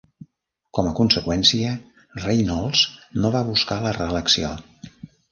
Com a conseqüència, Reynolds no va buscar la reelecció.